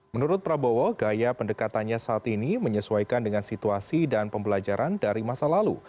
menurut prabowo gaya pendekatannya saat ini menyesuaikan dengan situasi dan pembelajaran dari masa lalu